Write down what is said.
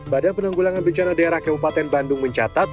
pada penunggulangan bencana daerah kabupaten bandung mencatat